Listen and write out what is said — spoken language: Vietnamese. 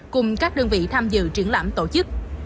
cùng các đơn vị tham dự triển lãm tổ chức